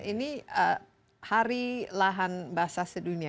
ini hari lahan basah sedunia